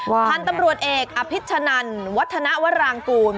พันธุ์ตำรวจเอกอภิชนันวัฒนวรางกูล